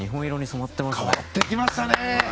変わってきましたね！